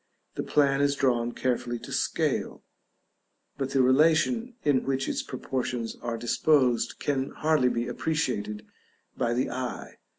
The plan is drawn carefully to scale, but the relation in which its proportions are disposed can hardly be appreciated by the eye.